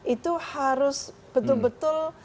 itu harus betul betul